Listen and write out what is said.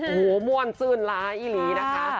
โอ้โหม่วนซื่นล้าอีหลีนะคะ